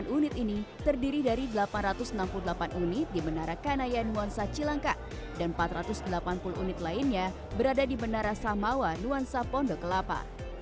delapan unit ini terdiri dari delapan ratus enam puluh delapan unit di menara kanaya nuansa cilangkap dan empat ratus delapan puluh unit lainnya berada di menara samawa nuansa pondok kelapa